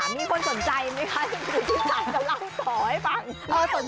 มีคนสนใจไหมคะที่สั่งกำลังสอให้ฟัง